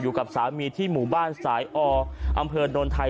อยู่กับสามีที่หมู่บ้านสายออำเภอโนนไทย